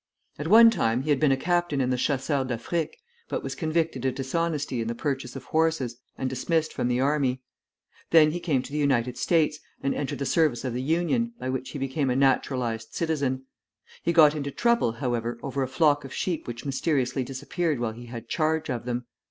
At one time he had been a captain in the Chasseurs d'Afrique, but was convicted of dishonesty in the purchase of horses, and dismissed from the army. Then he came to the United States, and entered the service of the Union, by which he became a naturalized citizen. He got into trouble, however, over a flock of sheep which mysteriously disappeared while he had charge of them.